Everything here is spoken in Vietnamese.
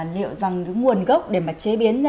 liệu rằng nguồn gốc để mà chế biến ra